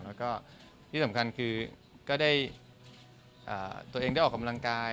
แล้วก็ที่สำคัญคือก็ได้ตัวเองได้ออกกำลังกาย